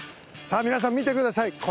さあ皆さん見てください